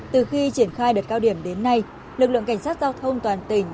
từ khi triển khai đợt cao điểm đến nay lực lượng cảnh sát giao thông toàn tỉnh